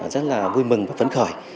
rất là vui mừng và phấn khởi